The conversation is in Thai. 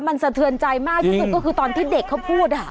มันสะเทือนใจมากที่สุดก็คือตอนที่เด็กเขาพูด